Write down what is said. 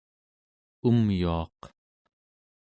umyuaq